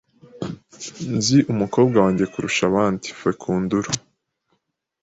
Nzi umukobwa wanjye kurusha abandi. (fekundulo)